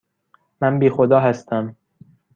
من بی خدا هستم.